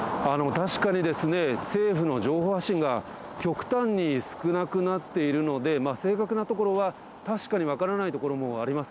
確かに政府の情報発信が、極端に少なくなっているので、正確なところは確かに分からないところもあります。